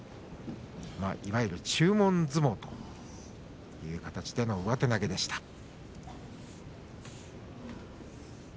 いわゆる注文相撲という形での上手投げでした。